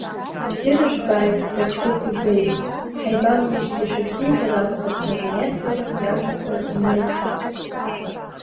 Бзиара жәбааит, Паҷкәыкә Беи, ҳаибамбеижьҭеи шәыбзиазар акәхап ҳәа наиаҳәаны иажәақәа инарыциҵеит.